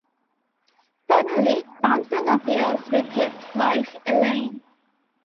Suddenly Johnson appears with his wife Elaine.